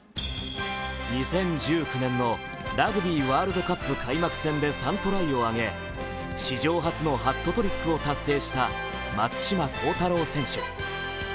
２０１９年のラグビーワールドカップ開幕戦で３トライを上げ史上初のハットトリックを達成した松島幸太朗選手。